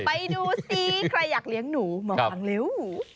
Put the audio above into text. ไปดูซิใครอยากเลี้ยงหนูมาฟังเร็ว